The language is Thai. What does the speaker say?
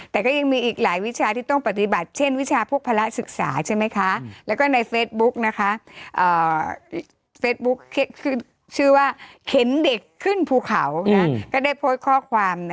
แต่ก็ยังมีอีกหลายวิชาที่ต้องปฏิบัติเช่นวิชาพวกภาระศึกษาใช่ไหมคะแล้วก็ในเฟซบุ๊กชื่อว่าเข็นเด็กขึ้นภูเขาก็ได้โพสต์ข้อความ